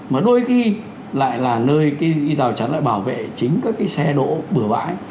mà đôi khi lại là nơi cái rào chắn lại bảo vệ chính các cái xe đỗ bửa vãi